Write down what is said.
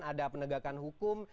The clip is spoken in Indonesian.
ada penegakan hukum